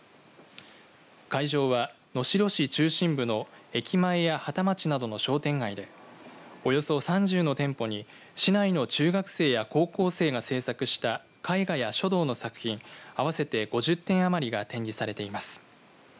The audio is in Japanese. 会場は能代市中心部の駅前や畠町などの商店街でおよそ３０の店舗に市内の中学生や高校生が制作した絵画や書道の作品合わせて５０点余りが展示されています。